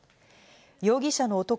容疑者の男